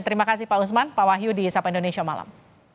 terima kasih pak usman pak wahyu di sapa indonesia malam